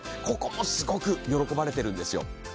ここもすごく喜ばれてるんですよ。